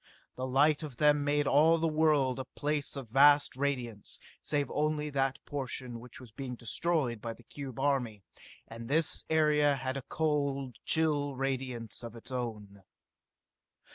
The light of them made all the world a place of vast radiance, save only that portion which was being destroyed by the cube army, and this area had a cold, chill radiance of its own.